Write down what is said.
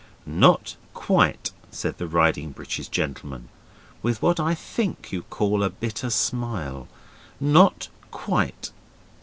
'Not quite,' said the riding breeches gentleman, with what I think you call a bitter smile, 'not quite.